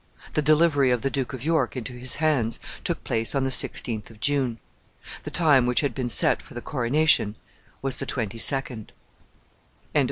The delivery of the Duke of York into his hands took place on the sixteenth of June. The time which had been set for the coronation was the twenty second. CHAPTER XIII.